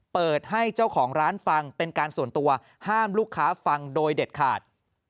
เปิดให้เจ้าของร้านฟังเป็นการส่วนตัวห้ามลูกค้าฟังโดยเด็ดขาด